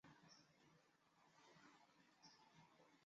学校提供的大部分课程都包括初级部分。